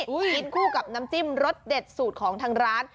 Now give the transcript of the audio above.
กินคู่กับน้ำจิ้มรสเด็ดสูตรของทางร้าน